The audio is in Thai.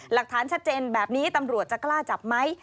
หลักฐานชัดเจนแบบนี้ตำรวจจะกล้าจับไหม